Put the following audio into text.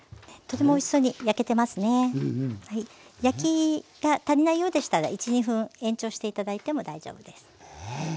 焼きが足りないようでしたら１２分延長して頂いても大丈夫です。